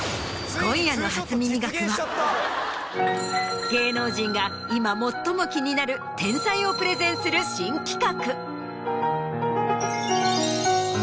今夜の『初耳学』は芸能人が今最も気になる天才をプレゼンする新企画。